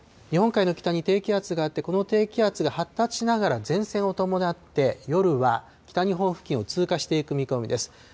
日本海の北に低気圧があって、この低気圧が発達しながら前線を伴って、夜は北日本付近を通過していく見込みです。